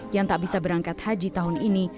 yang tak bisa berangkat haji tahun ini